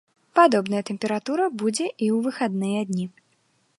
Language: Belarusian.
Падобная тэмпература будзе і ў выхадныя дні.